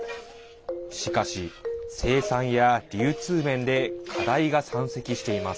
しかし、生産や流通面で課題が山積しています。